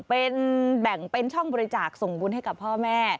เป็นแบ่งเป็นช่องบริจาคส่งบุญให้กับพ่อแม่